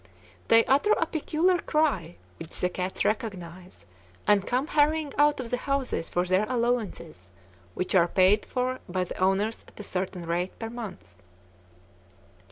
They utter a peculiar cry which the cats recognize, and come hurrying out of the houses for their allowances, which are paid for by the owners at a certain rate per month.